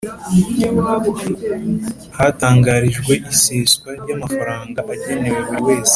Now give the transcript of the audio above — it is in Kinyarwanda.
hatangarijwe iseswa ry Amafaranga agenewe buri wese